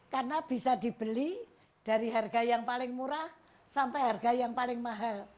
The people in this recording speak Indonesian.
karena bisa dibeli dari harga yang paling murah sampai harga yang paling mahal